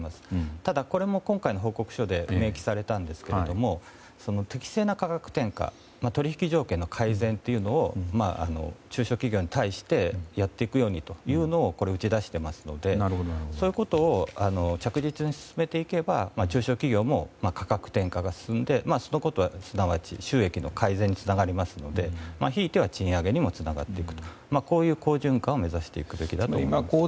ただこれも今回の報告書で明記されたんですが適正な価格転嫁、取引条件の改善というのを中小企業に対してやっていくようにというのを打ち出していますのでそういうことを着実に進めていけば中小企業も価格転嫁が進んでそのことがすなわち収益の改善につながりますのでひいては賃上げにもつながっていくという好循環を目指していくべきだと思います。